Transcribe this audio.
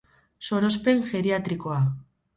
Sorospen geriatrikoa.